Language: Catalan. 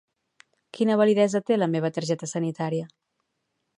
Quina validesa té la meva targeta sanitària?